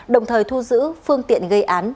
đồng thời thu giữ phương tiện gây án